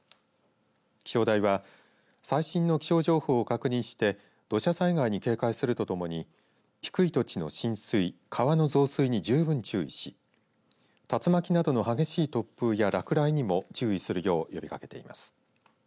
気象台は最新の気象情報を確認して土砂災害に警戒するとともに低い土地の浸水、川の増水に十分注意し竜巻などの激しい突風や落雷にも注意するよう呼びかけています。